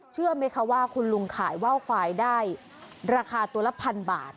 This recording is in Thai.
เชื่อไหมคะว่าคุณลุงขายว่าวควายได้ราคาตัวละพันบาท